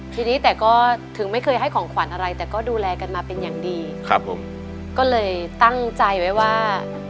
ทีนี้แต่ก็ถึงไม่เคยให้ของขวัญอะไรแต่ก็ดูแลกันมาเป็นอย่างดีครับผมก็เลยตั้งใจไว้ว่า